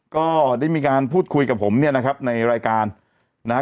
ก็ได้มีการพูดคุยกับผมเนี่ยนะครับในรายการนะฮะ